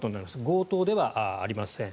強盗ではありません。